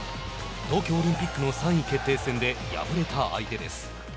東京オリンピックの３位決定戦で敗れた相手です。